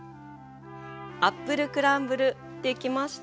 アップルクランブルできました。